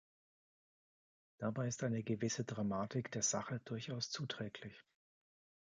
Dabei ist eine gewisse Dramatik der Sache durchaus zuträglich.